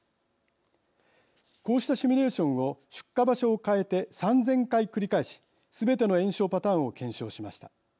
こうしたシミュレーションを出火場所を変えて３０００回繰り返しすべての延焼パターンを検証しました。